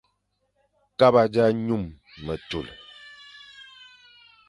Kaba za nyum metul,